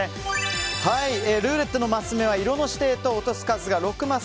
ルーレットはマスの指定と落とす数が６マス。